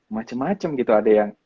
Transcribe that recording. macem macem gitu ada yang